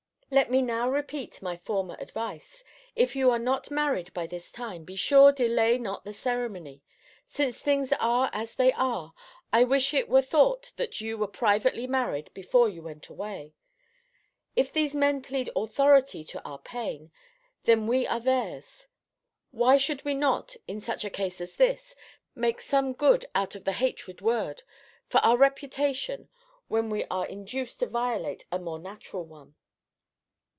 Let me now repeat my former advice If you are not married by this time, be sure delay not the ceremony. Since things are as they are, I wish it were thought that you were privately married before you went away. If these men plead AUTHORITY to our pain, when we are theirs Why should we not, in such a case as this, make some good out of the hated word, for our reputation, when we are induced to violate a more natural one?